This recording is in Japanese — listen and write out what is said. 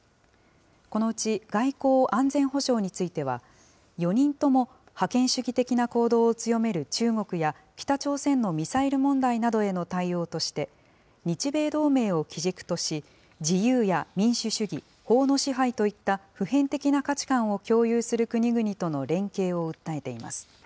このうち外交・安全保障については、４人とも覇権主義的な行動を強める中国や、北朝鮮のミサイル問題などへの対応として、日米同盟を基軸とし、自由や民主主義、法の支配といった普遍的な価値観を共有する国々との連携を訴えています。